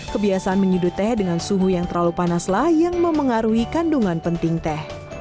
kebiasaan menyudut teh dengan suhu yang terlalu panaslah yang memengaruhi kandungan penting teh